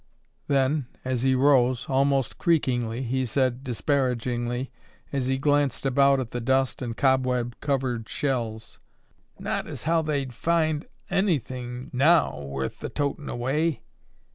Then, as he rose, almost creakingly, he said, disparagingly, as he glanced about at the dust and cobweb covered shelves, "Not as how they'd find onythin' now worth the totin' away."